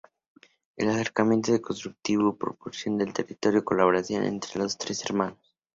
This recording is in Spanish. El acercamiento al constructivismo propició el retorno a la colaboración entre los tres hermanos.